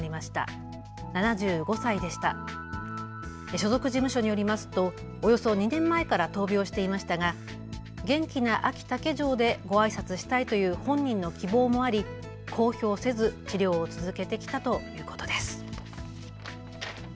所属事務所によりますとおよそ２年前から闘病していましたが元気なあき竹城でごあいさつしたいという本人の希望もあり公表せず治療を続けてきたということです。